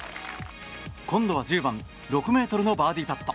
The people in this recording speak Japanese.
今度は１０番６ｍのバーディーパット。